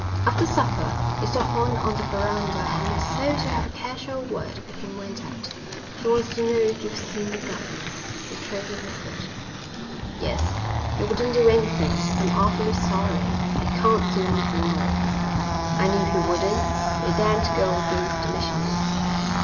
After supper he saw Horn on the verandah and, as though to have a casual word with him, went out. "She wants to know if you've seen the governor," the trader whispered. "Yes. He wouldn't do anything. I'm awfully sorry, I can't do anything more." "I knew he wouldn't. They daren't go against the missionaries."